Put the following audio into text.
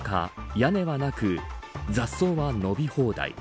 屋根はなく、雑草は伸び放題。